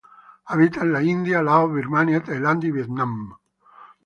Habita en la India, Laos, Birmania, Tailandia y Vietnam.